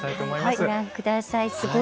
ご覧ください。